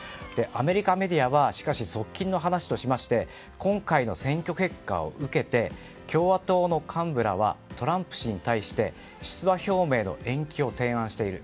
アメリカメディアは、しかし側近の話としまして今回の選挙結果を受けて共和党の幹部らはトランプ氏に対して出馬表明の延期を提案している。